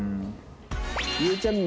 ゆうちゃみ